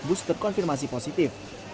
yang sudah terkoneksi positif